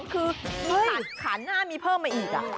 ๒๒คือขาหน้ามีเพิ่มมาอีก